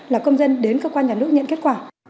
là công dân đến cơ quan nhà nước nhận kết quả